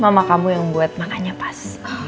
mama kamu yang buat makannya pas